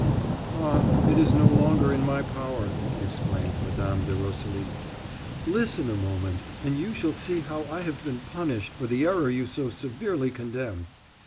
"Ah, it is no longer in my power," exclaimed Mme. de Roselis. "Listen a moment, and you shall see how I have been punished for the error you so severely condemn."